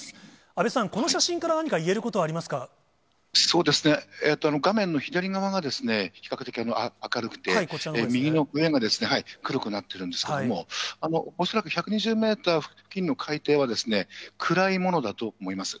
安倍さん、この写真から、何か言そうですね、画面の左側が比較的明るくて、右の上がですね、黒くなってるんですけれども、恐らく１２０メーター付近の海底はですね、暗いものだと思います。